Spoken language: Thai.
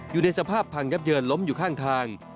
อยู่ในสภาพพังยับเยินล้มอยู่ข้างทาง